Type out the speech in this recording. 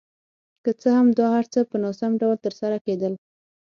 که څه هم دا هر څه په ناسم ډول ترسره کېدل.